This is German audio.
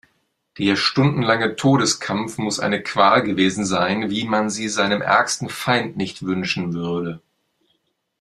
Der stundenlange Todeskampf muss eine Qual gewesen sein, wie man sie seinem ärgsten Feind nicht wünschen würde.